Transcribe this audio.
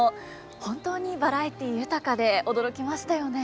本当にバラエティー豊かで驚きましたよね。